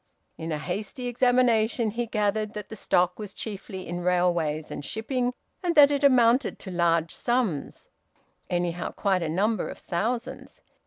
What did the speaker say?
In a hasty examination he gathered that the stock was chiefly in railways and shipping, and that it amounted to large sums anyhow quite a number of thousands.